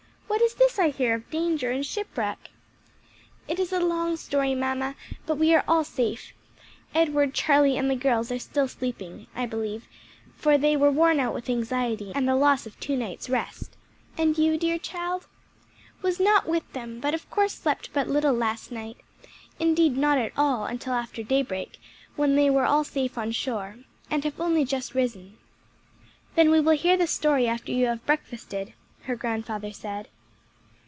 "What is this I hear of danger and shipwreck?" "It is a long story, mamma; but we are all safe. Edward, Charlie, and the girls are still sleeping, I believe, for they were worn out with anxiety and the loss of two nights' rest." "And you, dear child?" "Was not with them, but of course slept but little last night indeed not at all until after daybreak, when they were all safe on shore and have only just risen." "Then we will hear the story after you have breakfasted," her grandfather said.